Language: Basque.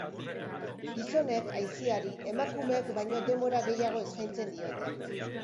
Gizonek aisiari emakumeek baino denbora gehiago eskaintzen diote.